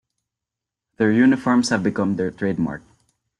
Their uniforms have become their trademark.